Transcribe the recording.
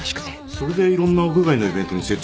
それでいろんな屋外のイベントに設置してるんだ。